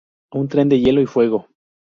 Un Tren de Hielo y Fuego".